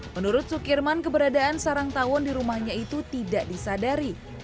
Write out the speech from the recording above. menurut sukirman keberadaan sarang tawon di rumahnya itu tidak disadari